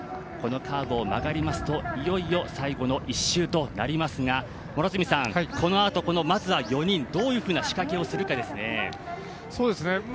このカーブを曲がりますといよいよ最後の１周となりますがこのあと、まずは４人どのような仕掛けをするかですね。